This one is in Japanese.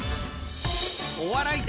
お笑い